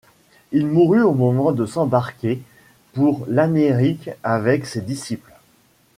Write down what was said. Il mourut au moment de s'embarquer pour l'Amérique avec ses disciples.